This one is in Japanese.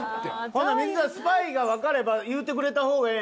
ほな水田スパイがわかれば言うてくれた方がえ